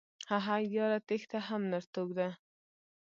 هههههه یاره تیښته هم نرتوب ده